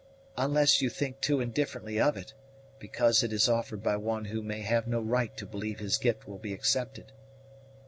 "Unless you may think too indifferently of it, because it is offered by one who may have no right to believe his gift will be accepted."